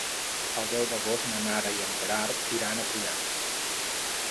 El deu d'agost na Nara i en Gerard iran a Prullans.